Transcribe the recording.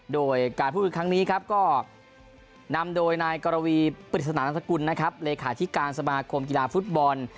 โดยการพูดอีกครั้งนี้ก็นำโดยนายกรวีปฏิสนานักทะกุล